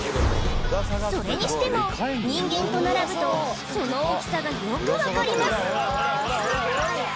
それにしても人間と並ぶとその大きさがよくわかります